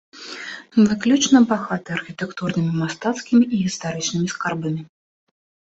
Выключна багаты архітэктурнымі, мастацкімі і гістарычнымі скарбамі.